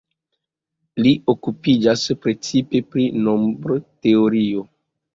Li okupiĝas precipe pri nombroteorio.